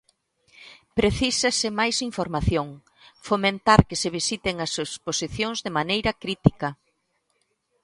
Precísase máis información, fomentar que se visiten as exposicións de maneira crítica.